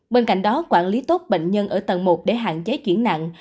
bên cạnh đó quản lý tốt bệnh nhân ở tầng một để hạn chế chuyển nặng